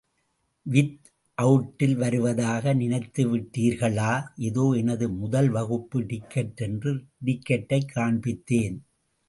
With அவுட்டில் வருவதாக நினைத்துவிட்டீர்களா? இதோ எனது முதல் வகுப்பு டிக்கட் என்று டிக்கெட்டைக் காண்பித்தேன்.